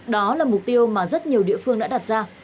đó là mục tiêu mà rất nhiều địa phương đã đặt ra